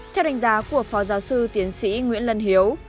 theo đánh giá của phó giáo sư tiến sĩ nguyễn lân hiếu